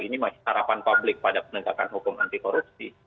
ini harapan publik pada penegakan hukum anti korupsi